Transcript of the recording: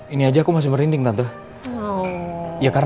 ini aja aku masih merinding tante